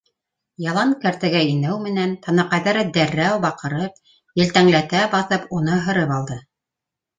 Ялан кәртәгә инеү менән, танаҡайҙары дәррәү баҡырып, елтәңләтә баҫып уны һырып алды.